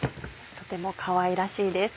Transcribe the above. とてもかわいらしいです。